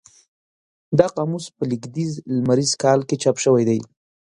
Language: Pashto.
دا قاموس په لېږدیز لمریز کال کې چاپ شوی دی.